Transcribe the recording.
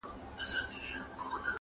قومندان سره خبري کوي او څه پوښتني کوي-